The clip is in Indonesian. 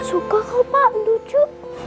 suka kok pak lucu